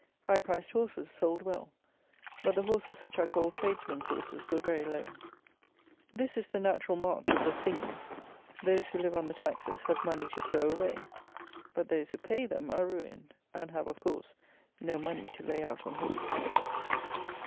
High priced horses sold well; but the horses which are called tradesmen's horses were very low. This is the natural march of the Thing: those who live on the taxes have money to throw away; but those who pay them are ruined, and have, of course, no money to lay out on horses.